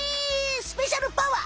スペシャルパワー！